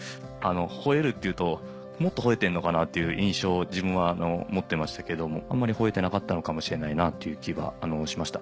吠えるっていうともっと吠えてんのかなっていう印象を自分は持ってましたけどもあんまり吠えてなかったのかもしれないなっていう気はしました。